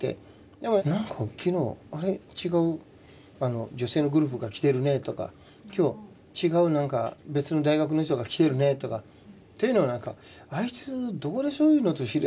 でもなんか昨日あれ違う女性のグループが来てるねとか今日違う別の大学の人が来てるねとかというのをなんかあいつどこでそういうのと知り合ってるんやろなって。